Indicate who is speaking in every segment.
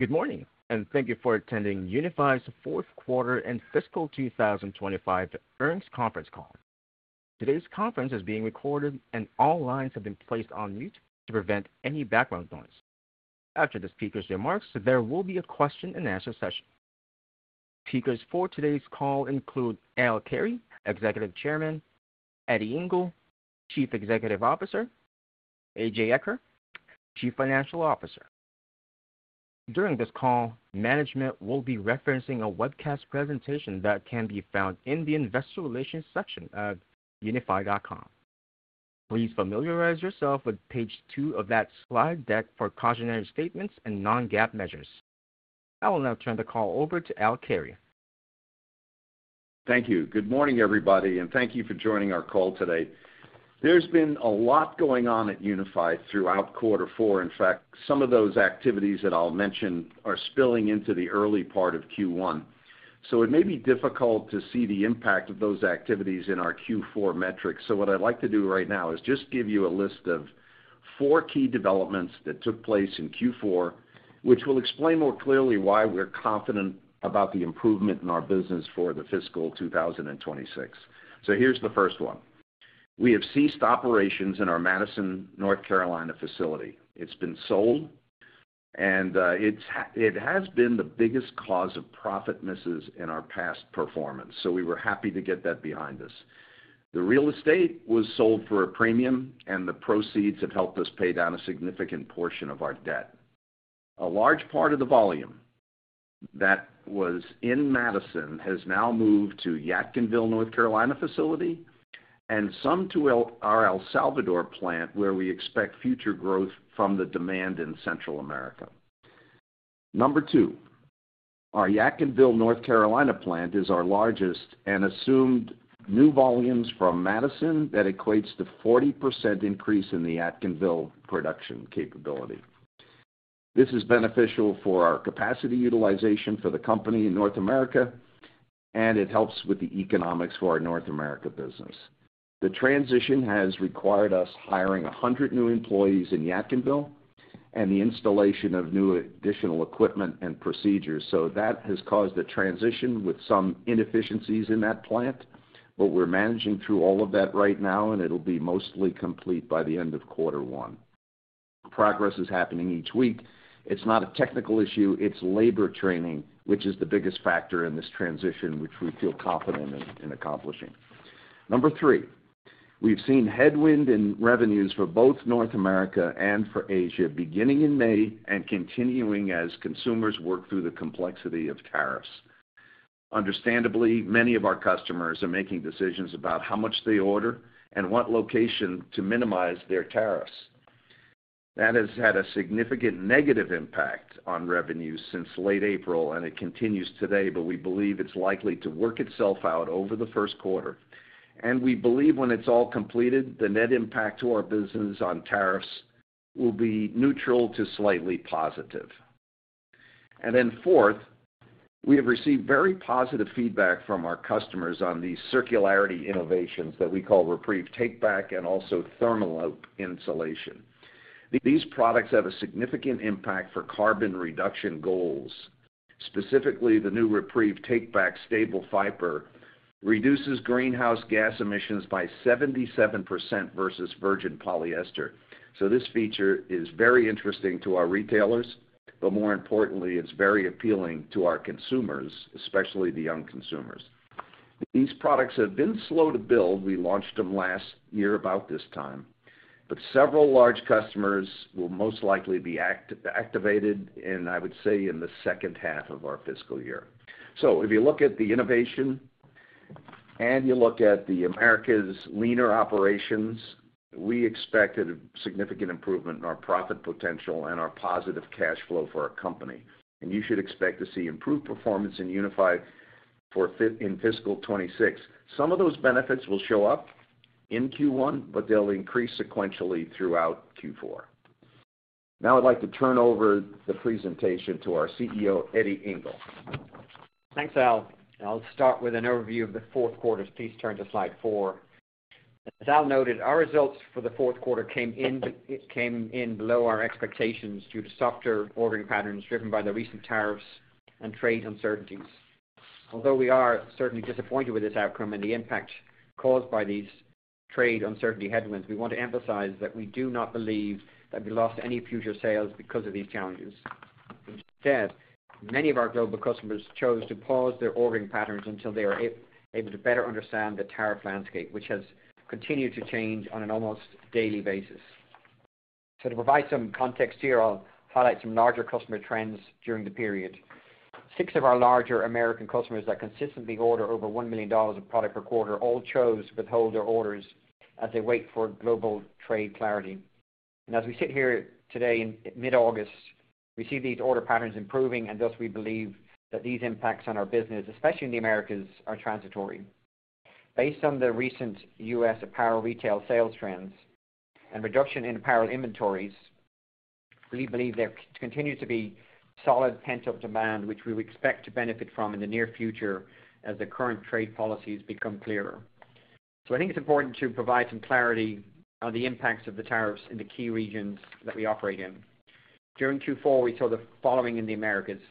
Speaker 1: Good morning and thank you for attending Unifi's Fourth Quarter and Fiscal 2025 Earnings Conference Call. Today's conference is being recorded, and all lines have been placed on mute to prevent any background noise. After the speaker's remarks, there will be a question and answer session. Speakers for today's call include Al Carey, Executive Chairman, Eddie Ingle, Chief Executive Officer, and A.J. Eaker, Chief Financial Officer. During this call, management will be referencing a webcast presentation that can be found in the Investor Relations section of unifi.com. Please familiarize yourself with page two of that slide deck for cautionary statements and non-GAAP measures. I will now turn the call over to Al Carey.
Speaker 2: Thank you. Good morning, everybody, and thank you for joining our call today. There's been a lot going on at Unifi throughout quarter four. In fact, some of those activities that I'll mention are spilling into the early part of Q1. It may be difficult to see the impact of those activities in our Q4 metrics. What I'd like to do right now is just give you a list of four key developments that took place in Q4, which will explain more clearly why we're confident about the improvement in our business for the fiscal 2026. Here's the first one. We have ceased operations in our Madison, North Carolina, facility. It's been sold, and it has been the biggest cause of profit misses in our past performance. We were happy to get that behind us. The real estate was sold for a premium, and the proceeds have helped us pay down a significant portion of our debt. A large part of the volume that was in Madison has now moved to Yadkinville, North Carolina, facility, and some to our El Salvador plant, where we expect future growth from the demand in Central America. Number two, our Yadkinville, North Carolina, plant is our largest and assumed new volumes from Madison that equate to a 40% increase in the Yadkinville production capability. This is beneficial for our capacity utilization for the company in North America, and it helps with the economics for our North America business. The transition has required us hiring 100 new employees in Yadkinville and the installation of new additional equipment and procedures. That has caused the transition with some inefficiencies in that plant, but we're managing through all of that right now, and it'll be mostly complete by the end of quarter one. Progress is happening each week. It's not a technical issue. It's labor training, which is the biggest factor in this transition, which we feel confident in accomplishing. Number three, we've seen headwind in revenues for both North America and for Asia, beginning in May and continuing as consumers work through the complexity of tariffs. Understandably, many of our customers are making decisions about how much they order and what location to minimize their tariffs. That has had a significant negative impact on revenues since late April, and it continues today. We believe it's likely to work itself out over the first quarter. We believe when it's all completed, the net impact to our business on tariffs will be neutral to slightly positive. Fourth, we have received very positive feedback from our customers on these circularity innovations that we call REPREVE Takeback and also Thermaloop insulation. These products have a significant impact for carbon reduction goals. Specifically, the new REPREVE Takeback staple fiber reduces greenhouse gas emissions by 77% versus virgin polyester. This feature is very interesting to our retailers, but more importantly, it's very appealing to our consumers, especially the young consumers. These products have been slow to build. We launched them last year about this time, but several large customers will most likely be activated, and I would say in the second half of our fiscal year. If you look at the innovation and you look at the Americas' leaner operations, we expect a significant improvement in our profit potential and our positive cash flow for our company. You should expect to see improved performance in Unifi in fiscal 2026. Some of those benefits will show up in Q1, but they'll increase sequentially throughout Q4. Now I'd like to turn over the presentation to our CEO, Eddie Ingle.
Speaker 3: Thanks, Al. I'll start with an overview of the fourth quarter. Please turn to slide four. As Al noted, our results for the fourth quarter came in below our expectations due to softer ordering patterns driven by the recent tariffs and trade uncertainties. Although we are certainly disappointed with this outcome and the impact caused by these trade uncertainty headwinds, we want to emphasize that we do not believe that we lost any future sales because of these challenges. Instead, many of our global customers chose to pause their ordering patterns until they were able to better understand the tariff landscape, which has continued to change on an almost daily basis. To provide some context here, I'll highlight some larger customer trends during the period. Six of our larger American customers that consistently order over $1 million of product per quarter all chose to withhold their orders as they wait for global trade clarity. As we sit here today in mid-August, we see these order patterns improving, and thus we believe that these impacts on our business, especially in the Americas, are transitory. Based on the recent U.S. apparel retail sales trends and reduction in apparel inventories, we believe there continues to be solid pent-up demand, which we expect to benefit from in the near future as the current trade policies become clearer. I think it's important to provide some clarity on the impacts of the tariffs in the key regions that we operate in. During Q4, we saw the following in the Americas.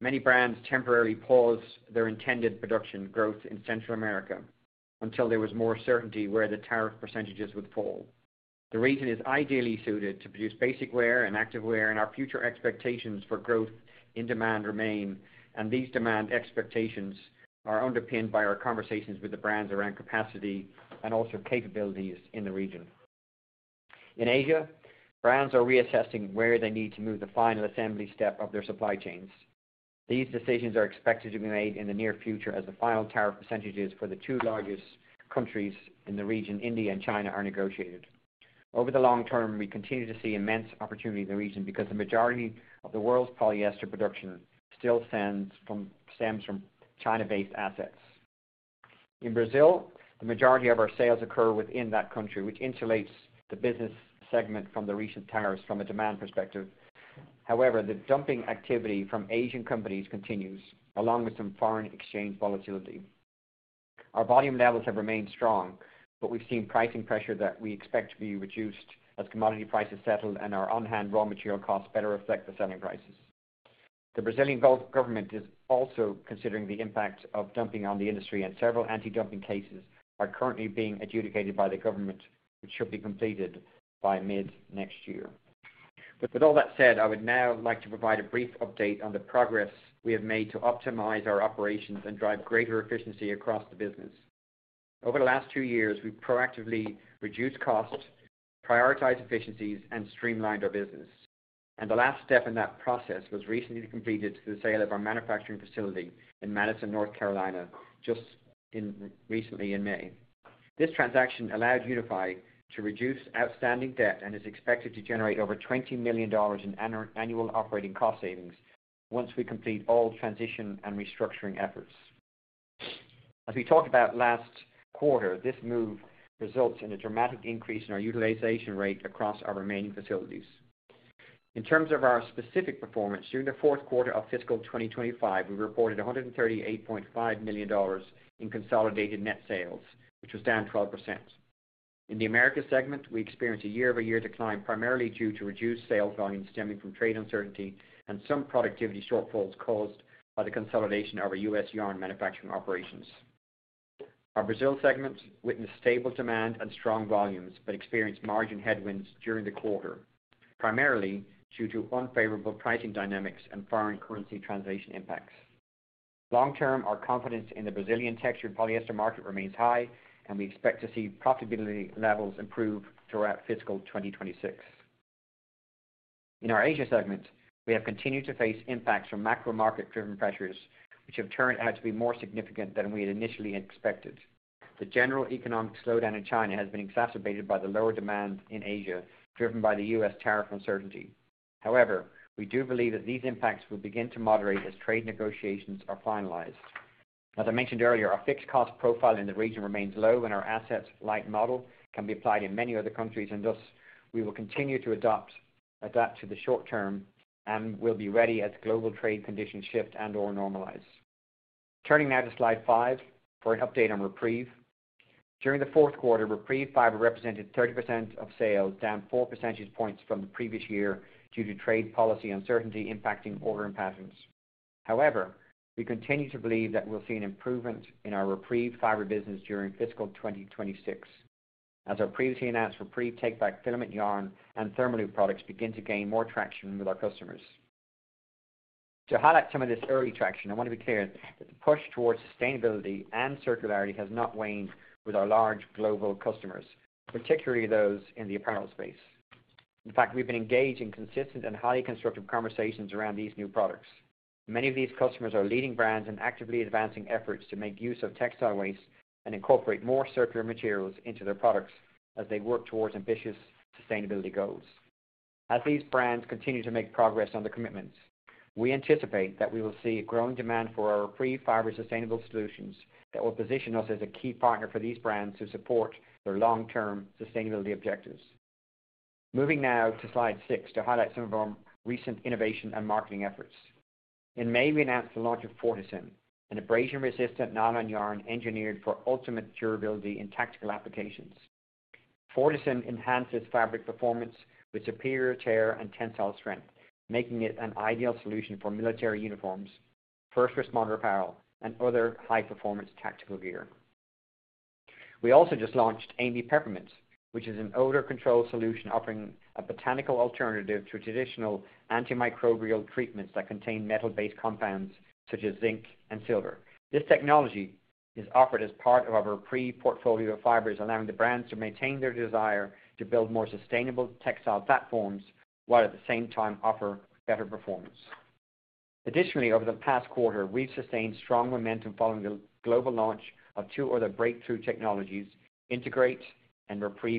Speaker 3: Many brands temporarily paused their intended production growth in Central America until there was more certainty where the tariff percentages would fall. The region is ideally suited to produce basic wear and active wear, and our future expectations for growth in demand remain. These demand expectations are underpinned by our conversations with the brands around capacity and also capabilities in the region. In Asia, brands are reassessing where they need to move the final assembly step of their supply chains. These decisions are expected to be made in the near future as the final tariff percentages for the two largest countries in the region, India and China, are negotiated. Over the long term, we continue to see immense opportunity in the region because the majority of the world's polyester production still stems from China-based assets. In Brazil, the majority of our sales occur within that country, which insulates the business segment from the recent tariffs from a demand perspective. However, the dumping activity from Asian companies continues, along with some foreign exchange volatility. Our volume levels have remained strong, but we've seen pricing pressure that we expect to be reduced as commodity prices settle and our on-hand raw material costs better reflect the selling prices. The Brazilian government is also considering the impacts of dumping on the industry, and several anti-dumping cases are currently being adjudicated by the government, which should be completed by mid-next year. With all that said, I would now like to provide a brief update on the progress we have made to optimize our operations and drive greater efficiency across the business. Over the last two years, we've proactively reduced costs, prioritized efficiencies, and streamlined our business. The last step in that process was recently completed through the sale of our manufacturing facility in Madison, North Carolina, just recently in May. This transaction allowed Unifi to reduce outstanding debt and is expected to generate over $20 million in annual operating cost savings once we complete all transition and restructuring efforts. As we talked about last quarter, this move results in a dramatic increase in our utilization rate across our remaining facilities. In terms of our specific performance, during the fourth quarter of fiscal 2025, we reported $138.5 million in consolidated net sales, which was down 12%. In the Americas segment, we experienced a year-over-year decline primarily due to reduced sales volumes stemming from trade uncertainty and some productivity shortfalls caused by the consolidation of our U.S. yarn manufacturing operations. Our Brazil segment witnessed stable demand and strong volumes, but experienced margin headwinds during the quarter, primarily due to unfavorable pricing dynamics and foreign currency translation impacts. Long term, our confidence in the Brazilian textured polyester market remains high, and we expect to see profitability levels improve throughout fiscal 2026. In our Asia segment, we have continued to face impacts from macro market-driven pressures, which have turned out to be more significant than we had initially expected. The general economic slowdown in China has been exacerbated by the lower demand in Asia, driven by the U.S. tariff uncertainty. However, we do believe that these impacts will begin to moderate as trade negotiations are finalized. As I mentioned earlier, our fixed cost profile in the region remains low, and our asset-light model can be applied in many other countries, and thus we will continue to adapt to the short term and will be ready as global trade conditions shift and/or normalize. Turning now to slide five for an update on REPREVE. During the fourth quarter, REPREVE fiber represented 30% of sales, down 4 percentage points from the previous year due to trade policy uncertainty impacting ordering patterns. However, we continue to believe that we'll see an improvement in our REPREVE fiber business during fiscal 2026, as our previously announced REPREVE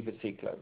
Speaker 3: Takeback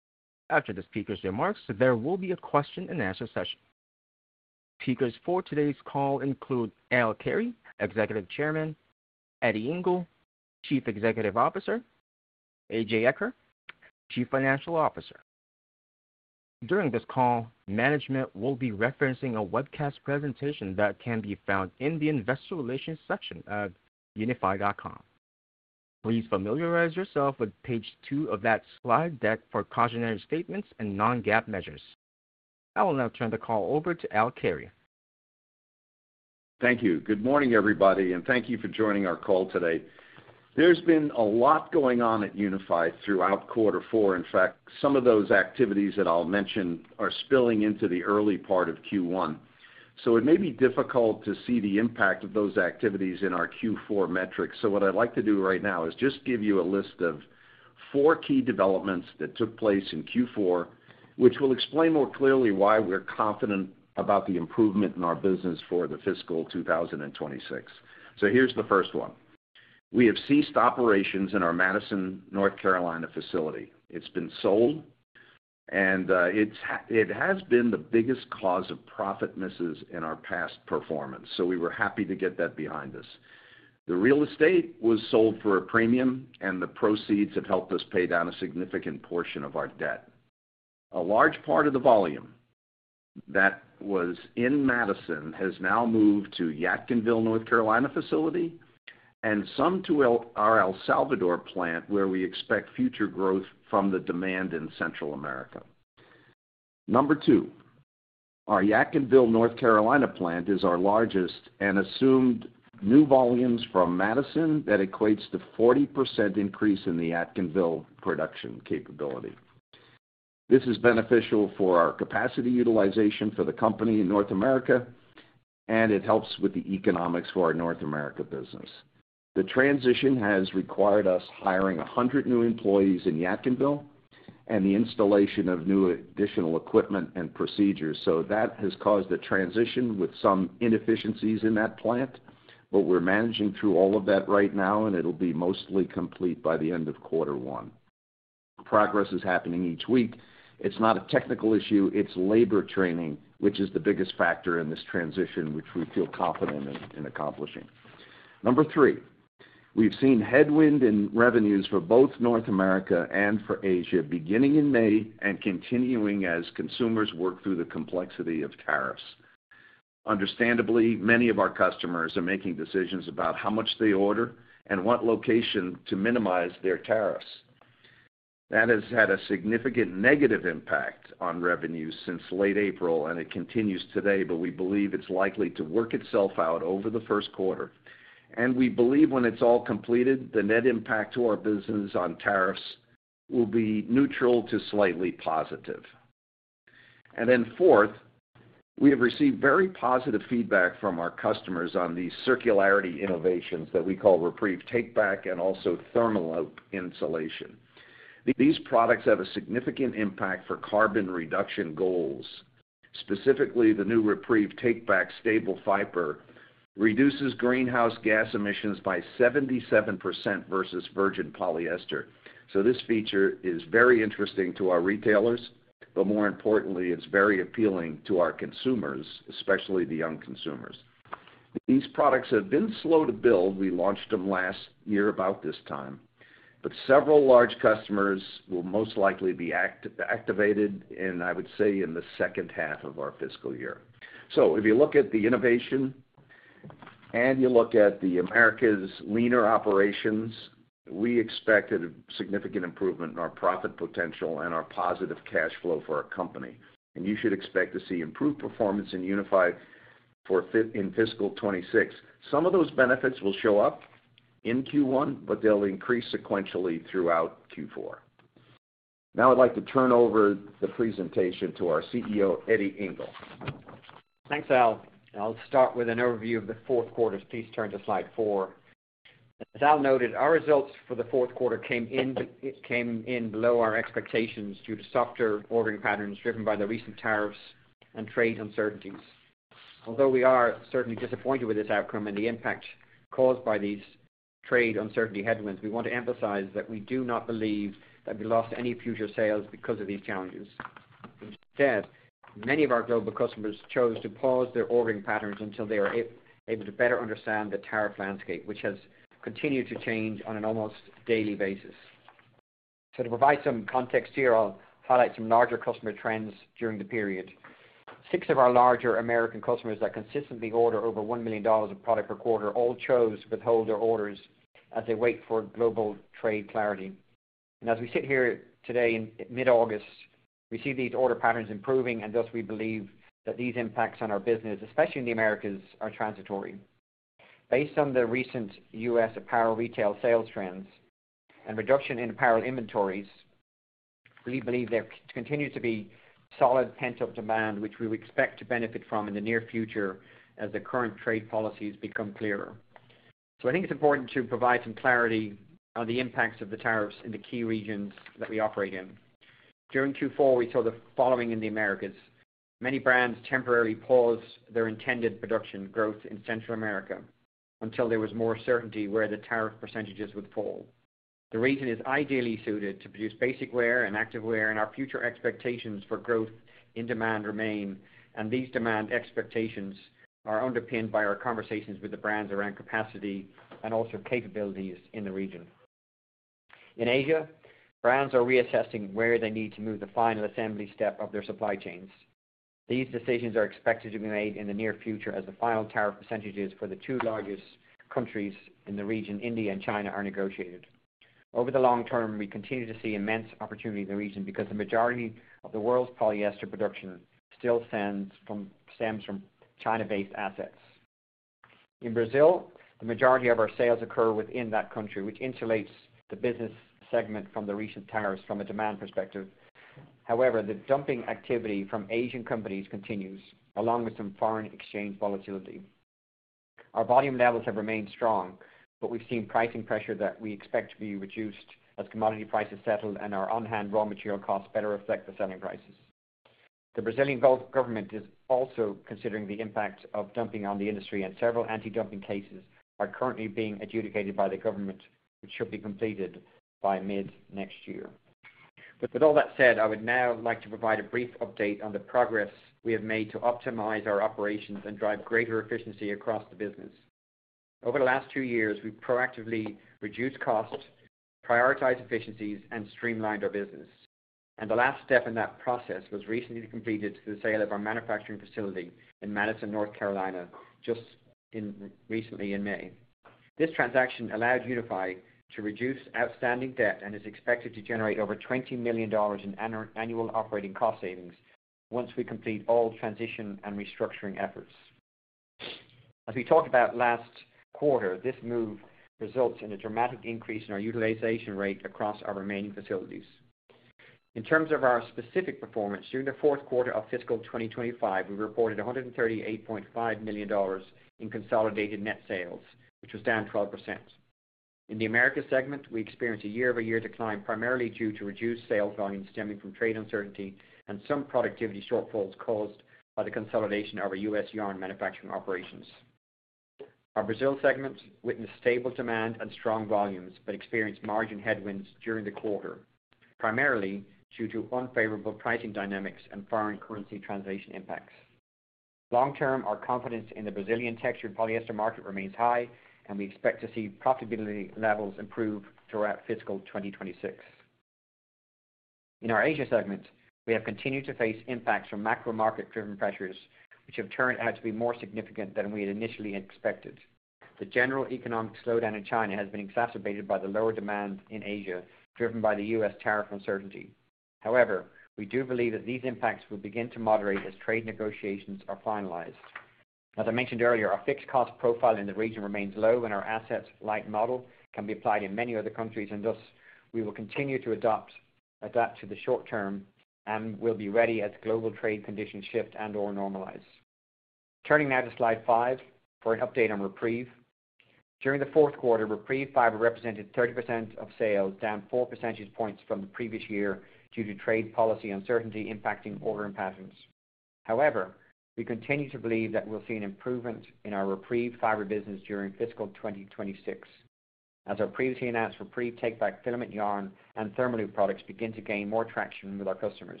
Speaker 3: filament yarn and Thermaloop products begin to gain more traction with our customers.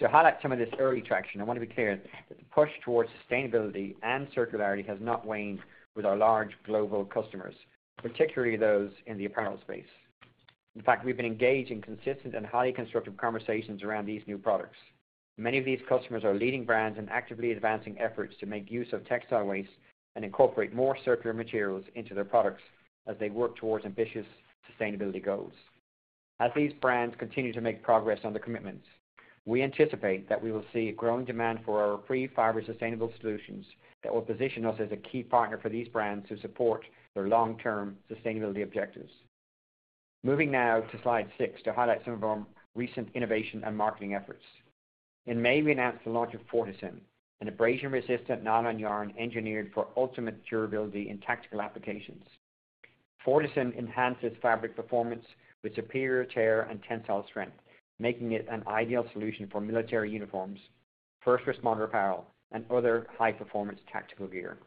Speaker 3: To highlight some of this early traction, I want to be clear that the push towards sustainability and circularity has not waned with our large global customers, particularly those in the apparel space. In fact, we've been engaged in consistent and highly constructive conversations around these new products. Many of these customers are leading brands and actively advancing efforts to make use of textile waste and incorporate more circular materials into their products as they work towards ambitious sustainability goals. As these brands continue to make progress on the commitments, we anticipate that we will see growing demand for our REPREVE fiber sustainable solutions that will position us as a key partner for these brands to support their long-term sustainability objectives. Moving now to slide six to highlight some of our recent innovation and marketing efforts. In May, we announced the launch of Fortisyn, an abrasion-resistant nylon yarn engineered for ultimate durability in tactical applications. Fortisyn enhances fabric performance with superior tear and tensile strength, making it an ideal solution for military uniforms, first responder apparel, and other high-performance tactical gear.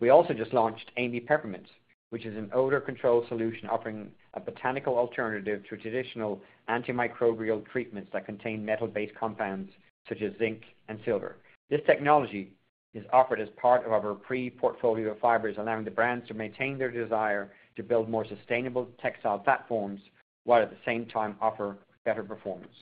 Speaker 3: We also just launched A.M.Y. Peppermint, which is an odor control solution offering a botanical alternative to traditional antimicrobial treatments that contain metal-based compounds such as zinc and silver. This technology is offered as part of our REPREVE portfolio fibers, allowing the brands to maintain their desire to build more sustainable textile platforms while at the same time offering better performance.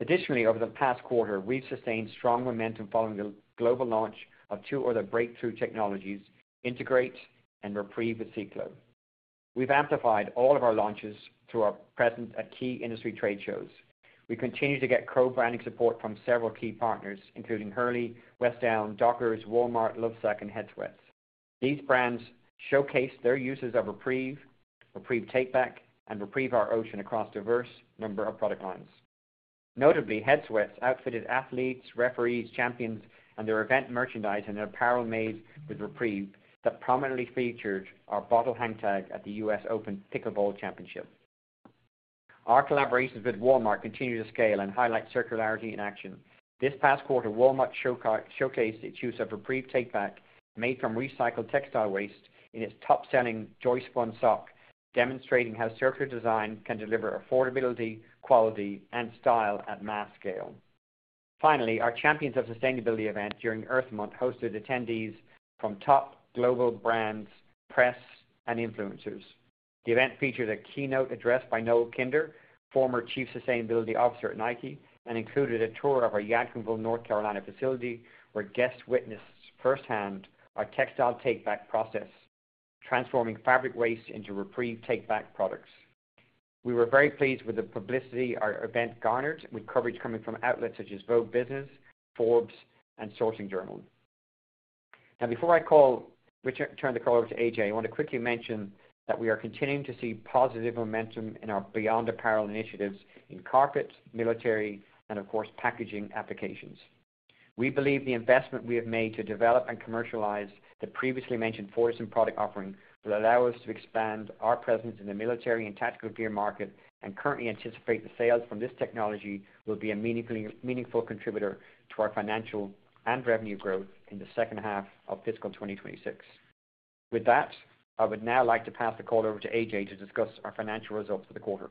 Speaker 3: Additionally, over the past quarter, we've sustained strong momentum following the global launch of two other breakthrough technologies: Integrate and REPREVE with CiCLO. We've amplified all of our launches through our presence at key industry trade shows. We continue to get co-branding support from several key partners, including Hurley, West Elm, Dockers, Walmart, Lovesac, and Head Sweats. These brands showcase their uses of REPREVE, REPREVE Takeback, and REPREVE Our Ocean across a diverse number of product lines. Notably, Head Sweats outfitted athletes, referees, champions, and their event merchandise in apparel made with REPREVE that prominently featured our bottle hang tag at the US Open Pickleball Championship. Our collaborations with Walmart continue to scale and highlight circularity in action. This past quarter, Walmart showcased its use of REPREVE Takeback, made from recycled textile waste, in its top-selling Joyspun sock, demonstrating how circular design can deliver affordability, quality, and style at mass scale. Finally, our Champions of Sustainability event during Earth Month hosted attendees from top global brands, press, and influencers. The event featured a keynote address by Noel Kinder, former Chief Sustainability Officer at Nike, and included a tour of our Yadkinville, North Carolina facility where guests witnessed firsthand our textile take-back process, transforming fabric waste into REPREVE Takeback products. We were very pleased with the publicity our event garnered, with coverage coming from outlets such as Vogue Business, Forbes, and Sourcing Journal. Now, before I turn the call over to A.J., I want to quickly mention that we are continuing to see positive momentum in our Beyond Apparel initiatives in carpet, military, and of course, packaging applications. We believe the investment we have made to develop and commercialize the previously mentioned Fortisyn product offering will allow us to expand our presence in the military and tactical gear market, and currently anticipate the sales from this technology will be a meaningful contributor to our financial and revenue growth in the second half of fiscal 2026. With that, I would now like to pass the call over to A.J. to discuss our financial results for the quarter.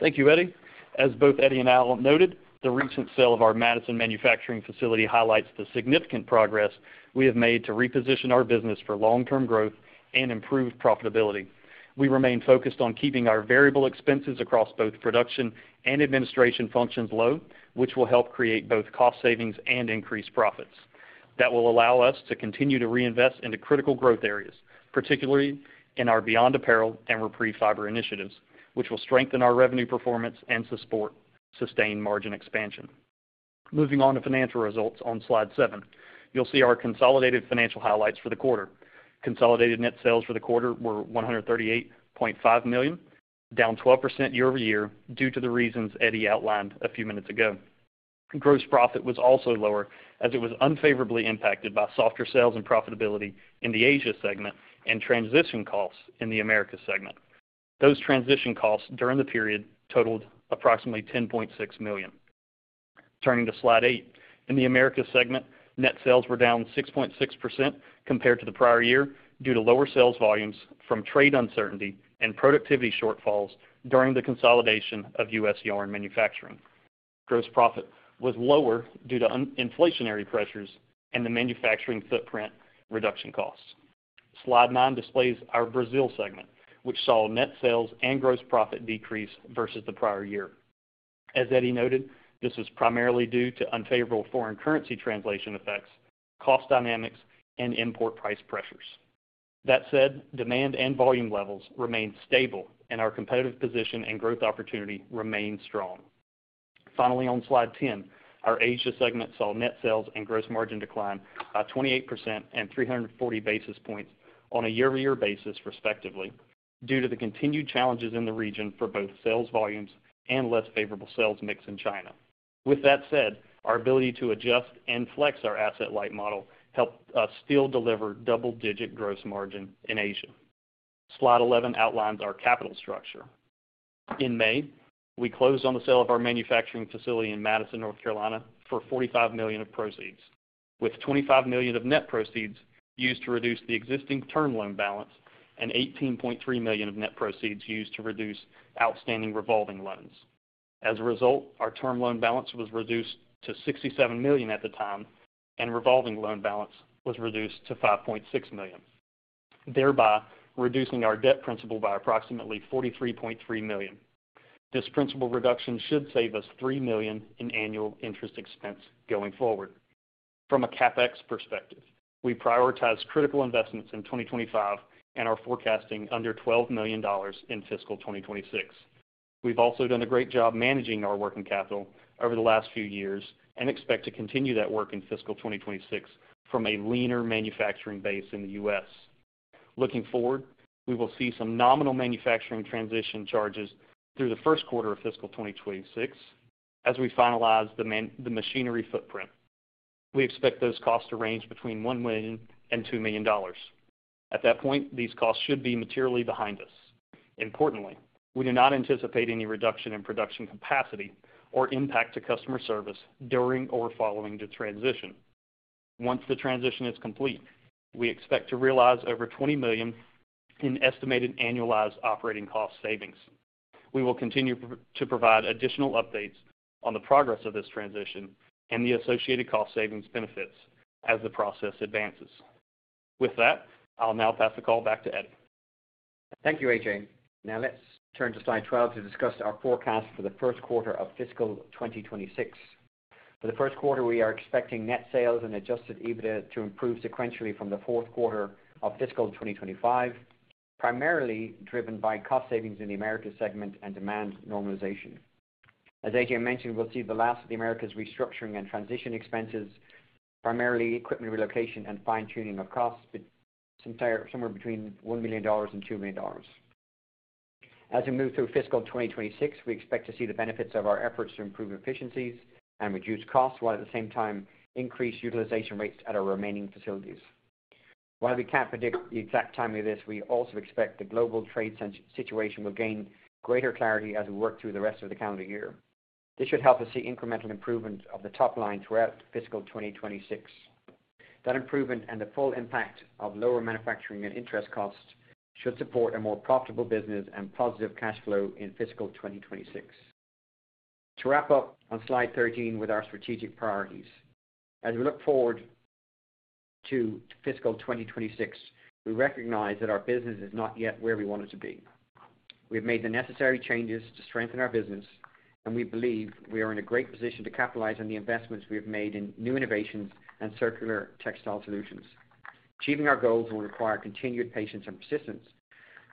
Speaker 4: Thank you, Eddie. As both Eddie and Al noted, the recent sale of our Madison manufacturing facility highlights the significant progress we have made to reposition our business for long-term growth and improved profitability. We remain focused on keeping our variable expenses across both production and administration functions low, which will help create both cost savings and increase profits. That will allow us to continue to reinvest into critical growth areas, particularly in our Beyond Apparel and REPREVE fiber initiatives, which will strengthen our revenue performance and support sustained margin expansion. Moving on to financial results on slide seven, you'll see our consolidated financial highlights for the quarter. Consolidated net sales for the quarter were $138.5 million, down 12% year-over-year due to the reasons Eddie outlined a few minutes ago. Gross profit was also lower as it was unfavorably impacted by softer sales and profitability in the Asia segment and transition costs in the Americas segment. Those transition costs during the period totaled approximately $10.6 million. Turning to slide eight, in the Americas segment, net sales were down 6.6% compared to the prior year due to lower sales volumes from trade uncertainty and productivity shortfalls during the consolidation of U.S. yarn manufacturing. Gross profit was lower due to inflationary pressures and the manufacturing footprint reduction costs. Slide nine displays our Brazil segment, which saw net sales and gross profit decrease versus the prior year. As Eddie noted, this was primarily due to unfavorable foreign currency translation effects, cost dynamics, and import price pressures. That said, demand and volume levels remained stable, and our competitive position and growth opportunity remained strong. Finally, on slide 10, our Asia segment saw net sales and gross margin decline by 28% and 340 basis points on a year-over-year basis, respectively, due to the continued challenges in the region for both sales volumes and less favorable sales mix in China. With that said, our ability to adjust and flex our asset-light model helped us still deliver double-digit gross margin in Asia. Slide 11 outlines our capital structure. In May, we closed on the sale of our manufacturing facility in Madison, North Carolina, for $45 million of proceeds, with $25 million of net proceeds used to reduce the existing term loan balance and $18.3 million of net proceeds used to reduce outstanding revolving loans. As a result, our term loan balance was reduced to $67 million at the time, and revolving loan balance was reduced to $5.6 million, thereby reducing our debt principal by approximately $43.3 million. This principal reduction should save us $3 million in annual interest expense going forward. From a CapEx perspective, we prioritize critical investments in 2025 and are forecasting under $12 million in fiscal 2026. We've also done a great job managing our working capital over the last few years and expect to continue that work in fiscal 2026 from a leaner manufacturing base in the U.S. Looking forward, we will see some nominal manufacturing transition charges through the first quarter of fiscal 2026 as we finalize the machinery footprint. We expect those costs to range between $1 million and $2 million. At that point, these costs should be materially behind us. Importantly, we do not anticipate any reduction in production capacity or impact to customer service during or following the transition. Once the transition is complete, we expect to realize over $20 million in estimated annualized operating cost savings. We will continue to provide additional updates on the progress of this transition and the associated cost savings benefits as the process advances. With that, I'll now pass the call back to Eddie.
Speaker 3: Thank you, A.J. Now let's turn to slide 12 to discuss our forecast for the first quarter of fiscal 2026. For the first quarter, we are expecting net sales and adjusted EBITDA to improve sequentially from the fourth quarter of fiscal 2025, primarily driven by cost savings in the Americas segment and demand normalization. As A.J. mentioned, we'll see the last of the Americas restructuring and transition expenses, primarily equipment relocation and fine-tuning of costs, somewhere between $1 million and $2 million. As we move through fiscal 2026, we expect to see the benefits of our efforts to improve efficiencies and reduce costs, while at the same time increase utilization rates at our remaining facilities. While we can't predict the exact timing of this, we also expect the global trade situation will gain greater clarity as we work through the rest of the calendar year. This should help us see incremental improvement of the top line throughout fiscal 2026. That improvement and the full impact of lower manufacturing and interest costs should support a more profitable business and positive cash flow in fiscal 2026. To wrap up on slide 13 with our strategic priorities, as we look forward to fiscal 2026, we recognize that our business is not yet where we want it to be. We have made the necessary changes to strengthen our business, and we believe we are in a great position to capitalize on the investments we have made in new innovations and circular textile solutions. Achieving our goals will require continued patience and persistence,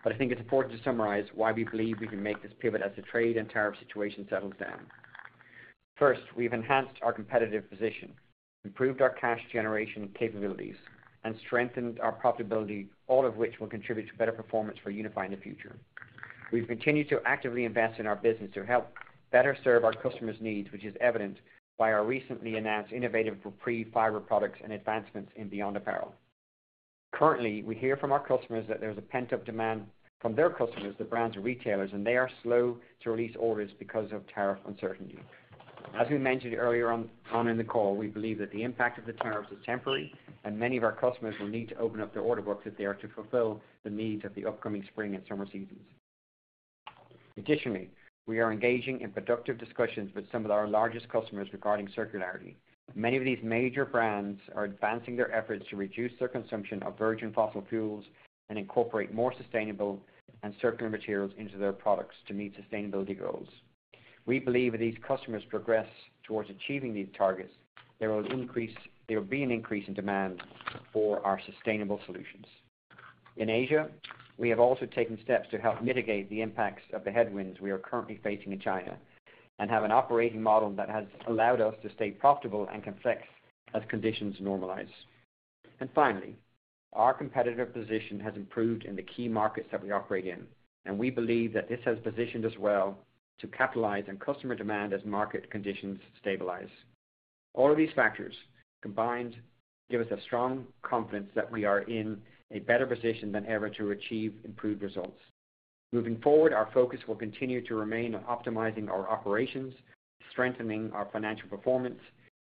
Speaker 3: but I think it's important to summarize why we believe we can make this pivot as the trade and tariff situation settles down. First, we've enhanced our competitive position, improved our cash generation capabilities, and strengthened our profitability, all of which will contribute to better performance for Unifi in the future. We've continued to actively invest in our business to help better serve our customers' needs, which is evident by our recently announced innovative REPREVE fiber products and advancements in Beyond Apparel. Many of these major brands are advancing their efforts to reduce their consumption of virgin fossil fuels and incorporate more sustainable and circular materials into their products to meet sustainability goals. We believe if these customers progress towards achieving these targets, there will be an increase in demand for our sustainable solutions. In Asia, we have also taken steps to help mitigate the impacts of the headwinds we are currently facing in China and have an operating model that has allowed us to stay profitable and can flex as conditions normalize. Finally, our competitive position has improved in the key markets that we operate in, and we believe that this has positioned us well to capitalize on customer demand as market conditions stabilize. All of these factors combined give us a strong confidence that we are in a better position than ever to achieve improved results. Moving forward, our focus will continue to remain on optimizing our operations, strengthening our financial performance,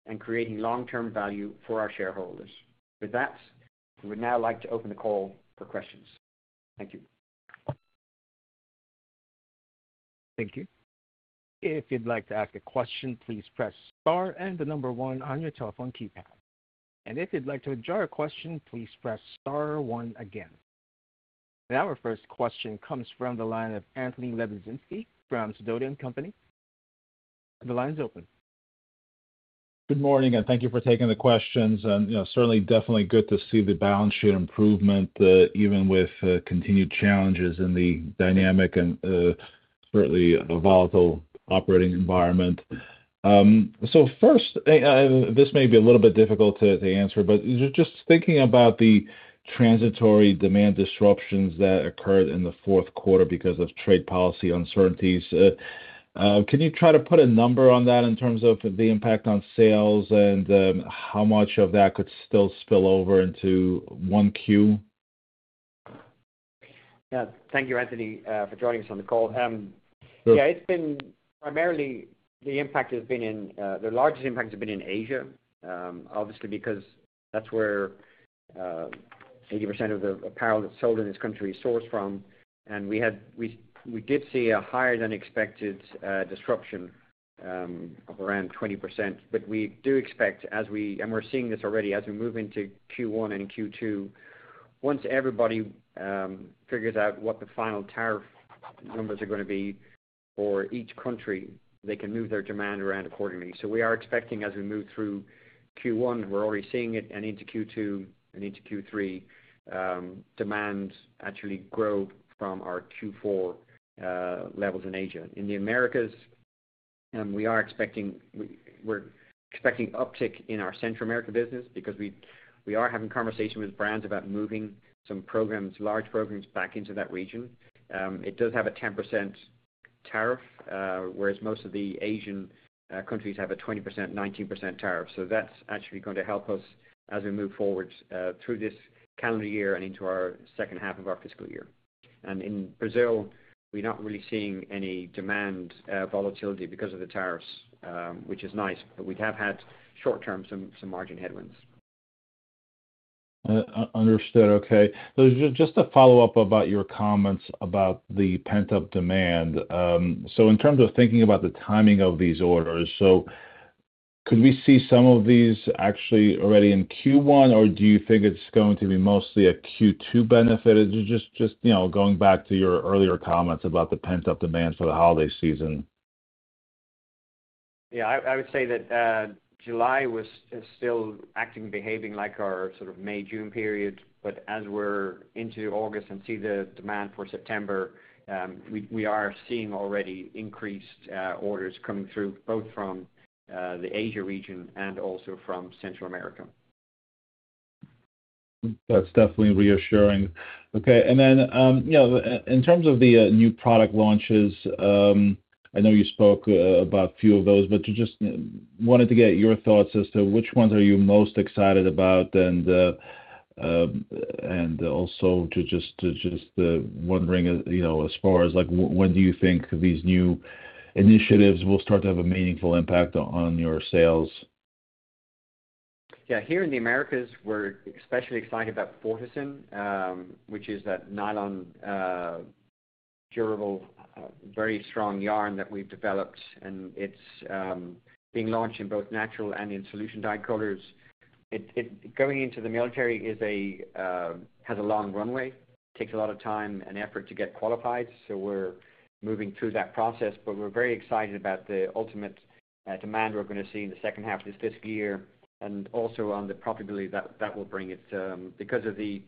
Speaker 3: and creating long-term value for our shareholders. With that, we would now like to open the call for questions. Thank you.
Speaker 1: Thank you. If you'd like to ask a question, please press star and the number one on your telephone keypad. If you'd like to withdraw a question, please press star one again. Our first question comes from the line of Anthony Lebiedzinski from Sidoti & Company. The line is open.
Speaker 5: Good morning, and thank you for taking the questions. It's definitely good to see the balance sheet improvement, even with continued challenges in the dynamic and certainly a volatile operating environment. First, this may be a little bit difficult to answer, but just thinking about the transitory demand disruptions that occurred in the fourth quarter because of trade policy uncertainties, can you try to put a number on that in terms of the impact on sales and how much of that could still spill over into 1Q?
Speaker 3: Thank you, Anthony, for joining us on the call. It's been primarily the impact has been in, the largest impact has been in Asia, obviously, because that's where 80% of the apparel that's sold in this country is sourced from. We did see a higher than expected disruption of around 20%. We do expect, as we, and we're seeing this already, as we move into Q1 and Q2, once everybody figures out what the final tariff numbers are going to be for each country, they can move their demand around accordingly. We are expecting, as we move through Q1, we're already seeing it, and into Q2 and into Q3, demand actually grow from our Q4 levels in Asia. In the Americas, we are expecting uptick in our Central America business because we are having conversations with brands about moving some programs, large programs, back into that region. It does have a 10% tariff, whereas most of the Asian countries have a 20%, 19% tariff. That's actually going to help us as we move forward through this calendar year and into our second half of our fiscal year. In Brazil, we're not really seeing any demand volatility because of the tariffs, which is nice, but we have had short-term some margin headwinds.
Speaker 5: Understood. Okay. Just a follow-up about your comments about the pent-up demand. In terms of thinking about the timing of these orders, could we see some of these actually already in Q1, or do you think it's going to be mostly a Q2 benefit? Just going back to your earlier comments about the pent-up demand for the holiday season.
Speaker 3: Yeah, I would say that July is still acting and behaving like our sort of May-June period. As we're into August and see the demand for September, we are seeing already increased orders coming through both from the Asia region and also from Central America.
Speaker 5: That's definitely reassuring. In terms of the new product launches, I know you spoke about a few of those, but I just wanted to get your thoughts as to which ones are you most excited about? Also, just wondering, as far as when do you think these new initiatives will start to have a meaningful impact on your sales?
Speaker 3: Yeah, here in the Americas, we're especially excited about Fortisyn, which is that nylon durable, very strong yarn that we've developed, and it's being launched in both natural and in solution dyed colors. Going into the military has a long runway, takes a lot of time and effort to get qualified. We're moving through that process, but we're very excited about the ultimate demand we're going to see in the second half of this fiscal year and also on the profitability that that will bring because of the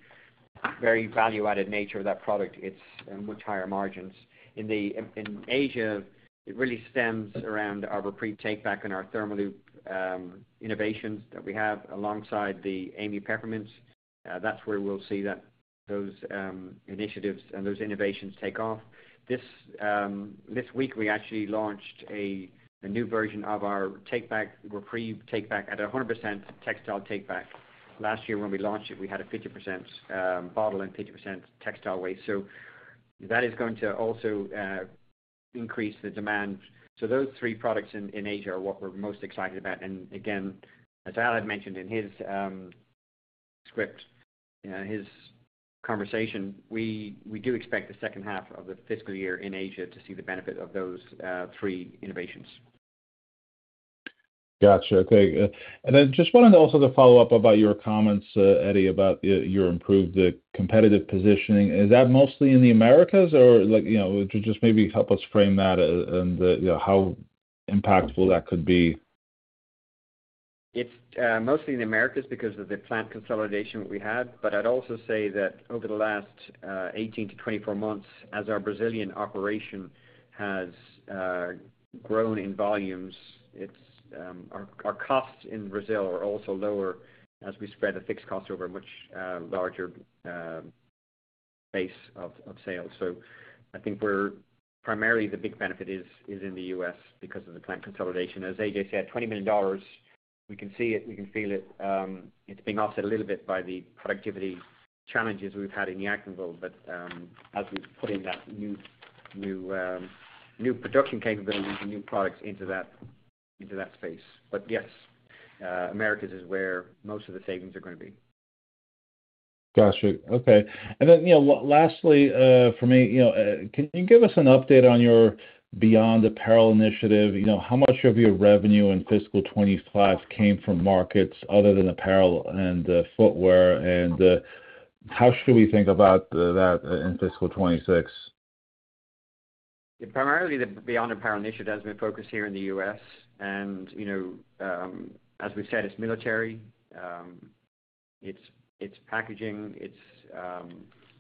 Speaker 3: very value-added nature of that product. It's much higher margins. In Asia, it really stems around our REPREVE Takeback and our Thermaloop innovations that we have alongside the A.M.Y. Peppermint. That's where we'll see that those initiatives and those innovations take off. This week, we actually launched a new version of our Takeback, REPREVE Takeback at 100% textile take-back. Last year, when we launched it, we had a 50% bottle and 50% textile waste. That is going to also increase the demand. Those three products in Asia are what we're most excited about. As Al had mentioned in his script, his conversation, we do expect the second half of the fiscal year in Asia to see the benefit of those three innovations.
Speaker 5: Gotcha. Okay. I just wanted also to follow up about your comments, Eddie, about your improved competitive positioning. Is that mostly in the Americas, or, like, you know, just maybe help us frame that and how impactful that could be?
Speaker 3: It's mostly in the Americas because of the plant consolidation that we had. I'd also say that over the last 18 to 24 months, as our Brazilian operation has grown in volumes, our costs in Brazil are also lower as we spread the fixed costs over a much larger base of sales. I think we're primarily, the big benefit is in the U.S. because of the plant consolidation. As A.J. said, $20 million, we can see it, we can feel it. It's being offset a little bit by the productivity challenges we've had in Yadkinville, but as we've put in that new production capability and new products into that space. Yes, America is where most of the savings are going to be.
Speaker 5: Gotcha. Okay. Lastly, for me, can you give us an update on your Beyond Apparel initiative? How much of your revenue in fiscal 2025 came from markets other than apparel and footwear? How should we think about that in fiscal 2026?
Speaker 3: Primarily, the Beyond Apparel initiative has been focused here in the U.S. As we've said, it's military, it's packaging, it's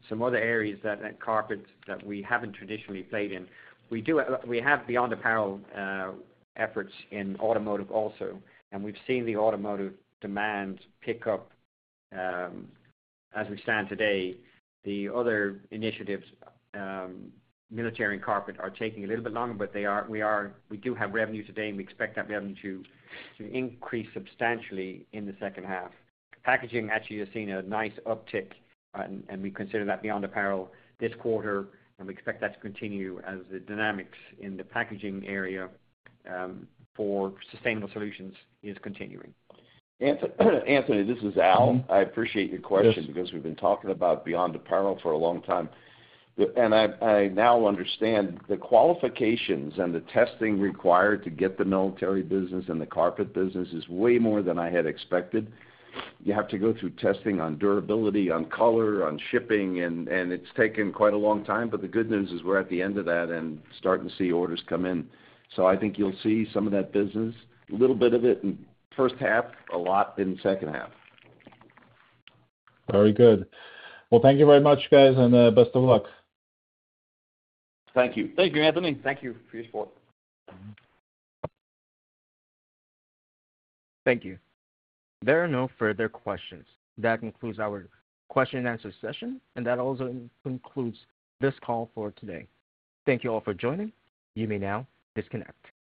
Speaker 3: some other areas like carpet that we haven't traditionally played in. We do have Beyond Apparel efforts in automotive also, and we've seen the automotive demand pick up as we stand today. The other initiatives, military and carpet, are taking a little bit longer, but we do have revenue today, and we expect that revenue to increase substantially in the second half. Packaging actually has seen a nice uptick, and we consider that Beyond Apparel this quarter, and we expect that to continue as the dynamics in the packaging area for sustainable solutions are continuing.
Speaker 2: Anthony, this is Al. I appreciate your question because we've been talking about Beyond Apparel for a long time. I now understand the qualifications and the testing required to get the military business and the carpet business is way more than I had expected. You have to go through testing on durability, on color, on shipping, and it's taken quite a long time. The good news is we're at the end of that and starting to see orders come in. I think you'll see some of that business, a little bit of it in the first half, a lot in the second half.
Speaker 5: Very good. Thank you very much, guys, and best of luck.
Speaker 2: Thank you.
Speaker 3: Thank you, Anthony. Thank you for your support.
Speaker 1: Thank you. There are no further questions. That concludes our question and answer session, and that also concludes this call for today. Thank you all for joining. You may now disconnect.